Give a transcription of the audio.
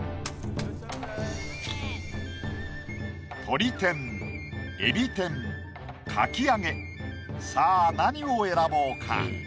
鶏天海老天かきあげさあ何を選ぼうか？